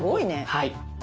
はい。